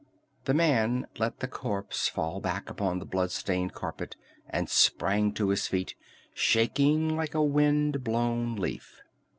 The man let the corpse fall back upon the blood stained carpet, and sprang to his feet, shaking like a wind blown leaf.